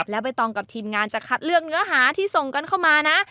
แล้วใบตองกับทีมงานจะคัดเลือกเนื้อหาที่ส่งกันเข้ามานะ